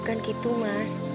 bukan gitu mas